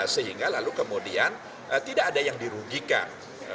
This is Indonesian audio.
sehingga lalu kemudian tidak ada yang dirugikan